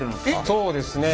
そうですね。